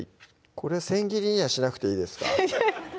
これ千切りにはしなくていいですか？